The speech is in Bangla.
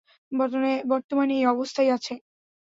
বর্তমানে এই অবস্থায়ই আছে।